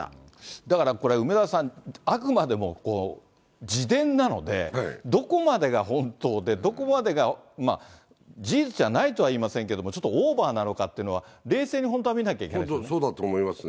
だからこれ、梅沢さん、あくまでも自伝なので、どこまでが本当で、どこまでが事実じゃないとは言いませんけれども、ちょっとオーバーなのかっていうのは、冷静に本当は見なきゃいけないですね。